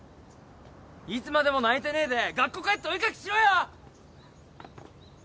いつまでも泣いてねえで学校帰ってお絵描きしろよ！